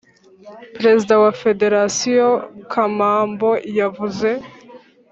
Perezida wa federasiyo Kamambo, yavuze